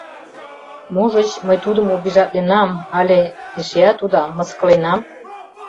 Можыч, мый тудым обижатленам але, эшеат уда, мыскыленам?